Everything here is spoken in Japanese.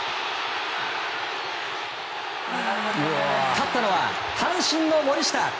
勝ったのは阪神の森下！